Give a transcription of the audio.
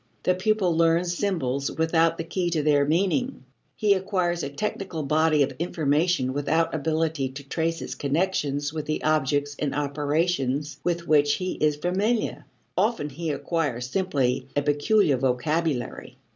The pupil learns symbols without the key to their meaning. He acquires a technical body of information without ability to trace its connections with the objects and operations with which he is familiar often he acquires simply a peculiar vocabulary.